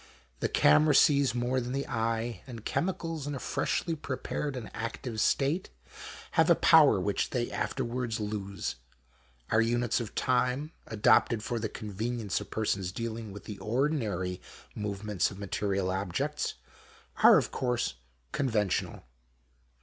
The camera sees more than the eye, and chemicals in a freshly 16 THE MAN WITH THE EOLLEE. prepared and active state, have a power which they afterwards lose. Our units of time, adopted for the convenience of persons dealing with the ordinary movements of material objects, are of course conventional.